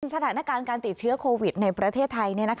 สถานการณ์การติดเชื้อโควิดในประเทศไทย